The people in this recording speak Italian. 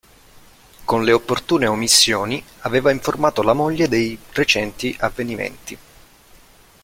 Con le opportune omissioni, aveva informato la moglie dei recenti avvenimenti.